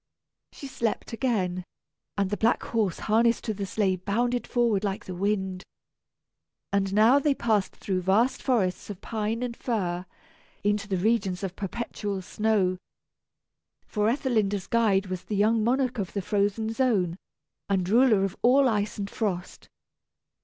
She slept again, and the black horse harnessed to the sleigh bounded forward like the wind. And now they passed through vast forests of pine and fir, into the regions of perpetual snow. For Ethelinda's guide was the young monarch of the frozen zone, and ruler of all ice and frost.